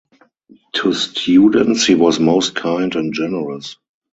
To students he was most kind and generous.